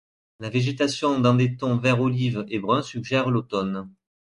La végétation dans des tons vert olive et bruns suggère l'automne.